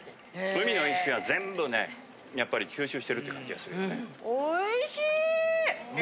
海の一式が全部ねやっぱり吸収してるって感じがするよね。